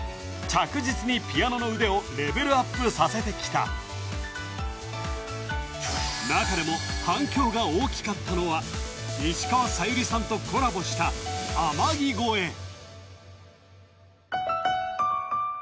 着実にピアノの腕をレベルアップさせてきた中でも反響が大きかったのは石川さゆりさんとコラボした「天城越え」